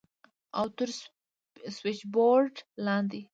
او تر سوېچبورډ لاندې.